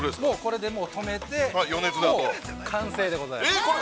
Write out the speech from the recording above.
◆これでとめて完成でございます。